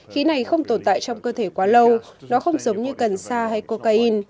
khí này không tồn tại trong cơ thể quá lâu nó không giống như cần sa hay coca in